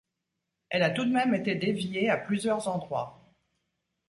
Elle a tout de même été déviée à plusieurs endroits.